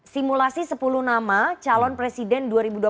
simulasi sepuluh nama calon presiden dua ribu dua puluh